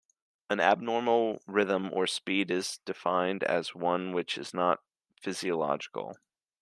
An abnormal rhythm or speed is defined as one which is not physiological.